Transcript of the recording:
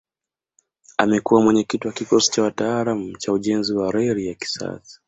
Amekua mwenyekiti wa kikosi cha wataalamu cha ujenzi wa reli ya kisasa